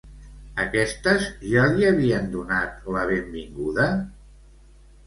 Aquestes ja li havien donat la benvinguda?